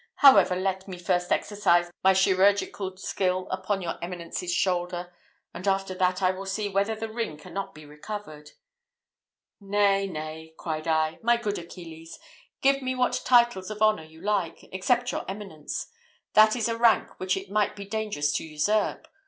However, first let me exercise my chirurgical skill upon your eminence's shoulder, and after that I will see whether the ring cannot be recovered." "Nay, nay," cried I, "my good Achilles, give me what titles of honour you like, except your eminence; that is a rank which it might be dangerous to usurp.